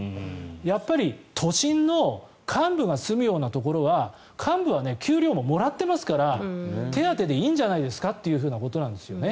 やっぱり都心の幹部が住むようなところは幹部は給料ももらってますから手当でいいんじゃないですかっていうことなんですね。